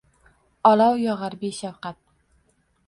Olov yog’ar beshafqat